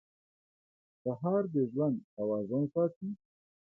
سهار د ژوند توازن ساتي.